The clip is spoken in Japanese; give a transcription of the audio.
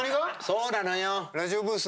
そうなの。